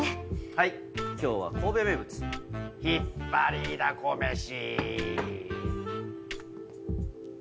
はい今日は神戸名物ひっぱりだこ飯。